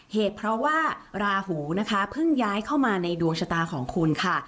เหตุเพราะว่าราหูนะคะเพิ่งย้ายเข้ามาในดวงชะตาของคุณค่ะ